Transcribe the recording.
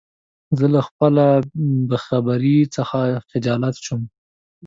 زه له خپله بېخبری څخه خجالت شوم.